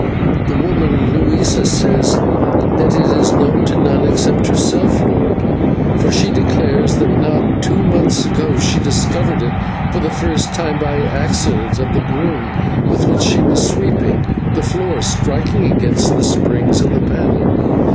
"The woman Luisa says that it is known to none except herself, lord, for she declares that not two months ago she discovered it for the first time by the accident of the broom with which she was sweeping the floor striking against the springs of the panel.